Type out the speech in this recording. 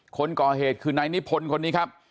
คนก่อเหตุคือนายนิพนธ์คนนี้ครับ